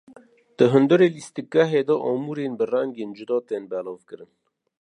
Di hundirê lîstikgehê de amûrên bi rengên cuda tên belavkirin.